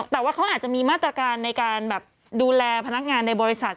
แต่ว่าเขาอาจจะมีมาตรการในการแบบดูแลพนักงานในบริษัท